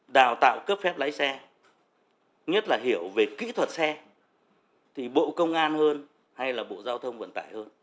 đào tạo cấp phép lái xe nhất là hiểu về kỹ thuật xe thì bộ công an hơn hay là bộ giao thông vận tải hơn